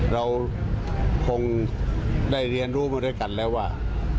เราคงได้เรียนรู้มาด้วยกันแล้วว่า